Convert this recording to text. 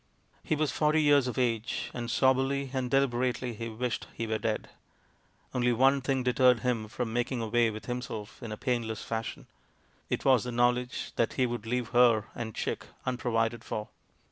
He was forty years of age, and soberly and deliberately he wished he were dead. Only one thing deterred him from making away with him self in a painless fashion; it was the knowledge that he would leave her and Chick unprovided for.